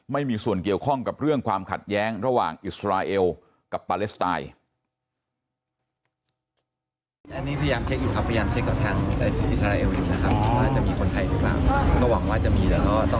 ไม่มีส่วนเกี่ยวข้องกับเรื่องความขัดแย้งระหว่างอิสราเอลกับปาเลสไตน์